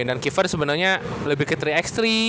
dan kiefer sebenernya lebih ke tiga x tiga